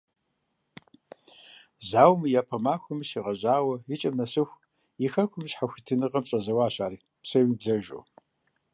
Зауэм и япэ махуэхэм щегъэжьауэ икӀэм нэсыху и хэкум и щхьэхуитыныгъэм щӀэзэуащ ар псэемыблэжу.